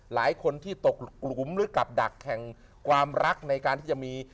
หลายคนที่ตกหลุมหรือกลับดักแข่งความรักในการที่จะมี